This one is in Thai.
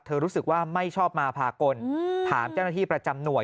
รู้สึกว่าไม่ชอบมาพากลถามเจ้าหน้าที่ประจำหน่วย